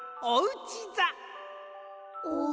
おうちざ？